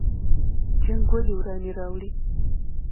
جنګ ولې ورانی راوړي؟